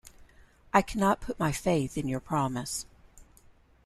I cannot put my faith in your promise.